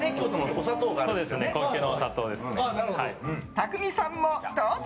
たくみさんも、どうぞ！